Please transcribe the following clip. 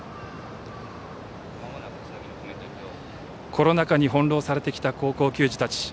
コロナ禍に翻弄されてきた高校球児たち。